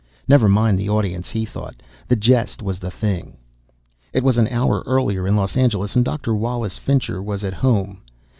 Never mind the audience, he thought. The jest was the thing! It was an hour earlier in Los Angeles and Dr. Wallace Fincher was at home.